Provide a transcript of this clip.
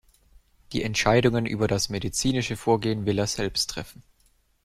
Die Entscheidungen über das medizinische Vorgehen will er selbst treffen.